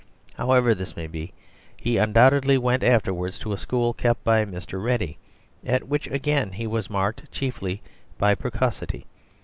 However this may be, he undoubtedly went afterwards to a school kept by Mr. Ready, at which again he was marked chiefly by precocity.